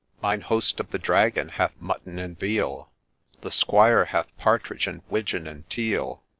4 Mine host of the Dragon hath mutton and veal ! The Squire hath partridge, 'and widgeon, and teal